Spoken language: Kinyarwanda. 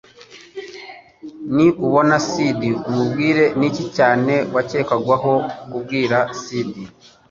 "Niba ubona Sid umubwire" Niki Cyane Wakekwagaho Kubwira Sid